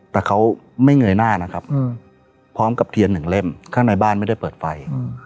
แต่เขาไม่เงยหน้านะครับพร้อมกับเทียนหนึ่งเล่มข้างในบ้านไม่ได้เปิดไฟ